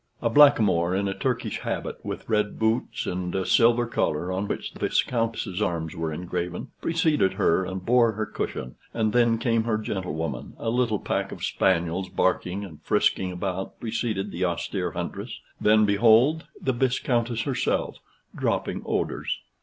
A blackamoor in a Turkish habit, with red boots and a silver collar, on which the Viscountess's arms were engraven, preceded her and bore her cushion; then came her gentlewoman; a little pack of spaniels barking and frisking about preceded the austere huntress then, behold, the Viscountess herself "dropping odors."